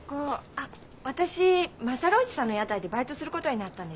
あっ私優叔父さんの屋台でバイトすることになったんです。